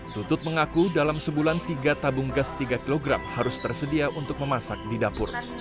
tutut mengaku dalam sebulan tiga tabung gas tiga kg harus tersedia untuk memasak di dapur